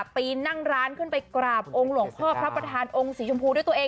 ปีนนั่งร้านขึ้นไปกราบองค์หลวงพ่อพระประธานองค์สีชมพูด้วยตัวเอง